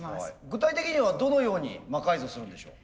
具体的にはどのように魔改造するんでしょう？